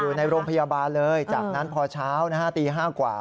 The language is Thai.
อยู่ในโรงพยาบาลเลยจากนั้นพอเช้าตี๕กว่า